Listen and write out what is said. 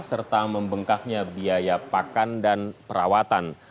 serta membengkahnya biaya pakan dan perawatan